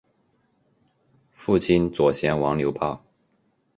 父亲左贤王刘豹。